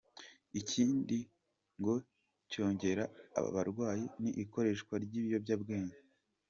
Ikindi ngo cyongera aba barwayi ni ikoreshwa ry’ibiyobyabwenge.